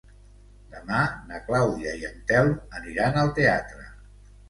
Demà na Clàudia i en Telm aniran al teatre.